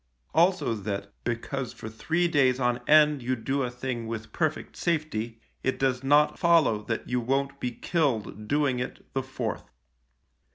Also that, because for three days on end you do a thing with perfect safety, it does not follow that you won't be killed doing it the fourth.